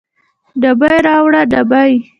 ډبې راوړه ډبې